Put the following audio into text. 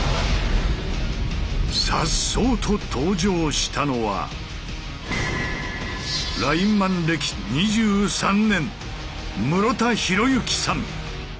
さっそうと登場したのはラインマン歴２３年室田洋幸さん。